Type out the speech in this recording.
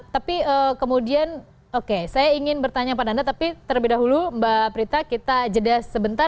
tapi kemudian oke saya ingin bertanya pada anda tapi terlebih dahulu mbak prita kita jeda sebentar